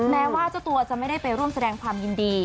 แม้ว่าเจ้าตัวจะไม่ได้ไปร่วมแสดงความยินดี